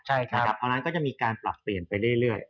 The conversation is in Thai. เพราะฉะนั้นก็จะมีการปรับเปลี่ยนไปเรื่อย